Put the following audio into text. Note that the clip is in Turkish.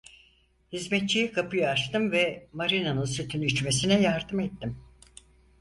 Hizmetçiye kapıyı açtım ve Maria'nın sütünü içmesine yardım ettim.